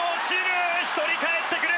１人かえってくる。